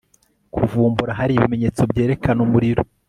kuvumbura hari ibimenyetso byerekana umuriro